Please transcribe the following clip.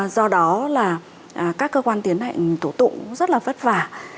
do đó là các cơ quan tiến hành tổ tụng cũng rất là vất vả